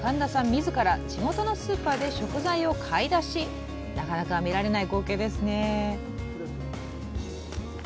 みずから地元のスーパーで食材を買い出しなかなか見られない光景ですね